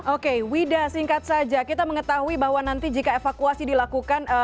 oke wida singkat saja kita mengetahui bahwa nanti jika evakuasi dilakukan